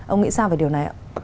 ông nghĩ sao về điều này ạ